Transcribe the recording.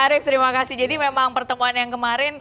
arief terima kasih jadi memang pertemuan yang kemarin